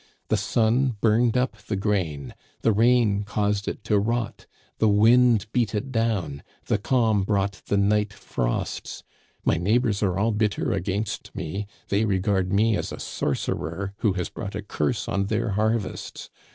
The sun burned up the grain, the rain caused it to rot, the wind beat it down, the calm brought the night frosts. My neighbors are all bitter against me ; they re gard me as a sorcerer, who has brought a curse on their harvests.